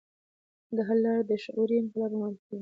د حل لار: شعوري انقلاب او معرفتي دینداري